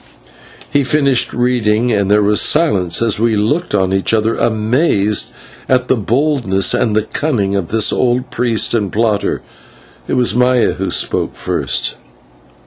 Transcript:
He finished reading, and there was silence as we looked on each other, amazed at the boldness and cunning of this old priest and plotter. It was Maya who spoke first.